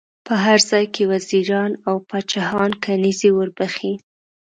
په هر ځای کې وزیران او پاچاهان کنیزي ور بخښي.